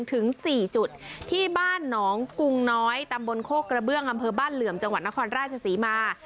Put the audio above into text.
ถึง๔จุดที่บ้านหนองกุงน้อยตำบลโคกกระเบื้องอำเภอบ้านเหลื่อมจังหวัดนครราชศรีมา